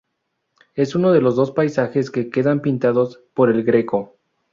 Es uno de los dos paisajes que quedan pintados por El Greco.